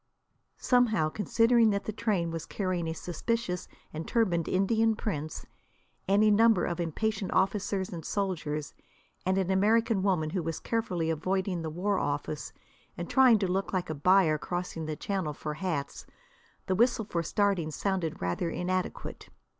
Somehow, considering that the train was carrying a suspicious and turbaned Indian prince, any number of impatient officers and soldiers, and an American woman who was carefully avoiding the war office and trying to look like a buyer crossing the Channel for hats, the whistle for starting sounded rather inadequate.